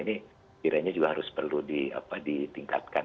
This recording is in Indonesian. ini kiranya juga harus perlu ditingkatkan